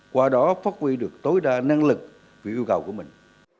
qua đó phát huy được tối đa năng lực vì yêu cầu của mình